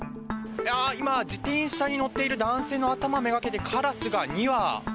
今、自転車に乗っている男性の頭をめがけてカラスが２羽。